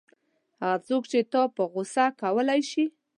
هغه څوک چې تا په غوسه کولای شي.